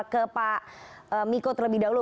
ke pak miko terlebih dahulu